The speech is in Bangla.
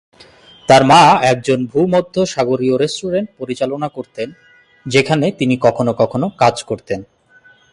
তার মা একজন ভূমধ্যসাগরীয় রেস্টুরেন্ট পরিচালনা করতেন যেখানে তিনি কখনো কখনো কাজ করতেন।